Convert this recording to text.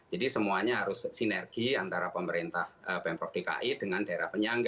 jadi semuanya harus sinergi antara pemerintah pemprov dki dengan daerah penyangga